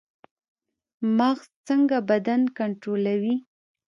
مغز څنګه بدن کنټرولوي؟